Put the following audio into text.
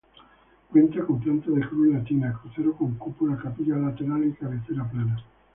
Cuenta con planta de cruz latina, crucero con cúpula, capillas laterales y cabecera plana.